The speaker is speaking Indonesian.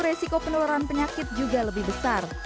resiko penularan penyakit juga lebih besar